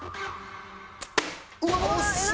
うわっ惜しい！